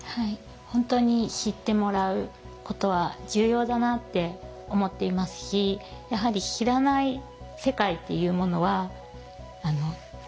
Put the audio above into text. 本当に知ってもらうことは重要だなって思っていますしやはり知らない世界っていうものは気付かないことにつながるんですよね。